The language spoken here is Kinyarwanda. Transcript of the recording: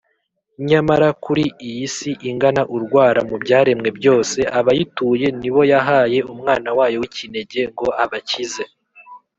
nyamara kuri iyi si ingana urwara mu byaremwe byose, abayituye ni bo yahaye umwana wayo w’ikinege ngo abakize,